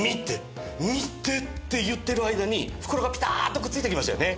見て！って言ってる間に袋がピターッとくっついてきましたよね。